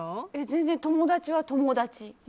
全然、友達は友達。